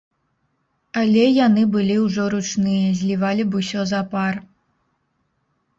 Але яны былі ўжо ручныя, злівалі б усё запар.